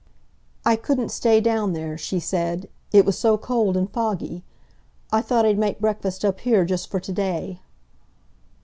"I couldn't stay down there," she said; "it was so cold and foggy. I thought I'd make breakfast up here, just for to day."